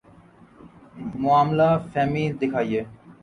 معاملہ فہمی دکھائیے۔